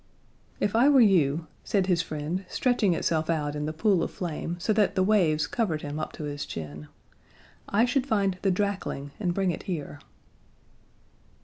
"If I were you," said his friend, stretching itself out in the pool of flame so that the waves covered him up to his chin, "I should find the drakling and bring it here."